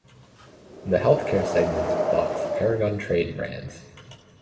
The Healthcare segment bought Paragon Trade Brands.